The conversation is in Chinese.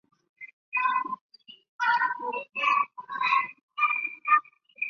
八月奉令开赴察哈尔省怀来县。